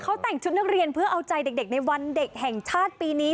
เขาแต่งชุดนักเรียนเพื่อเอาใจเด็กในวันเด็กแห่งชาติปีนี้